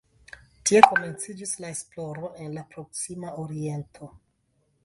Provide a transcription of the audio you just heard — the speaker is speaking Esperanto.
Tie komenciĝis la esploro en la Proksima Oriento.